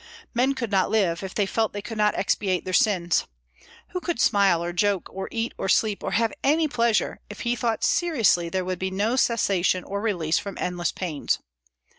Men could not live, if they felt they could not expiate their sins. Who could smile or joke or eat or sleep or have any pleasure, if he thought seriously there would be no cessation or release from endless pains?